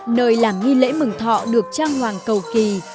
nơi làm nghi lễ mừng thọ được trang hoàng cầu kỳ